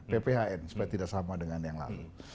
pphn supaya tidak sama dengan yang lalu